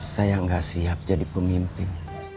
saya nggak siap jadi pemimpin